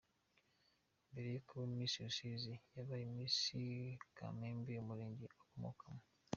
Mbere yo kuba Miss Rusizi, yabaye Miss Kamembe, umurenge akomokamo.